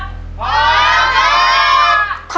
พร้อมค่ะ